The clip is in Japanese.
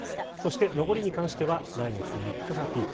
上りに関しては来月３日がピーク。